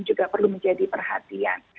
juga perlu menjadi perhatian